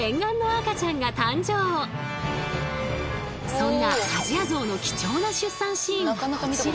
そんなアジアゾウの貴重な出産シーンがこちら。